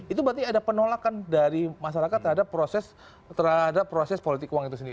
itu berarti ada penolakan dari masyarakat terhadap proses terhadap proses politik uang itu sendiri